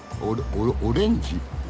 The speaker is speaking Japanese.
「オレンジ」？